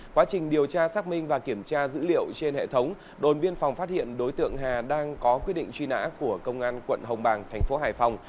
quá trình điều tra xác minh và kiểm tra dữ liệu trên hệ thống đồn biên phòng phát hiện đối tượng hà đang có quyết định truy nã của công an tp hải phòng